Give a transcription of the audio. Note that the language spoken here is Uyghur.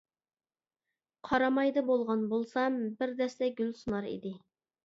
قارامايدا بولغان بولسام بىر دەستە گۈل سۇنار ئىدى.